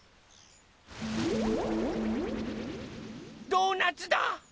ドーナツだ！